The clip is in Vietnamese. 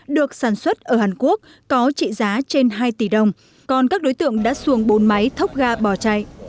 được sản xuất ở hàn quốc có trị giá trên hai tỷ đồng còn các đối tượng đã xuồng bốn máy thốc ga bỏ chạy